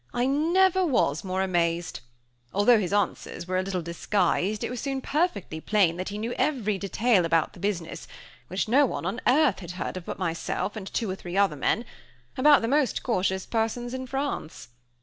I never was more amazed. Although his answers were a little disguised it was soon perfectly plain that he knew every detail about the business, which no one on earth had heard of but myself, and two or three other men, about the most cautious Persons in France.